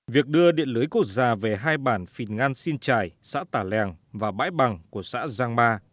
việc đưa điện lưới quốc gia về hai bản phịt ngan xin trải xã tà lèng và bãi bằng của xã giang ba